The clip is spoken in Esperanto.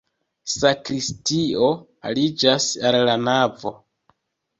Sakristio aliĝas al la navo.